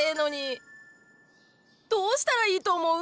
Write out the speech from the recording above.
どうしたらいいと思う？